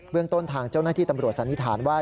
เรื่องต้นทางเจ้าหน้าที่ตำรวจสันนิษฐานว่า